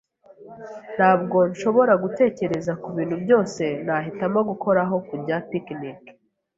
Ntabwo nshobora gutekereza kubintu byose nahitamo gukora aho kujya picnic nawe.